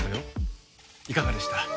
いかがでした？